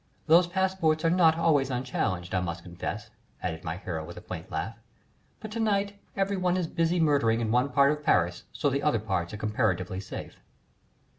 Those passports are not always unchallenged, I must confess," added my hero, with a quaint laugh, "but to night every one is busy murdering in one part of Paris, so the other parts are comparatively safe."